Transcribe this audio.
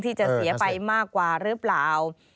ที่จะเสียไปมากกว่าหรือเปล่า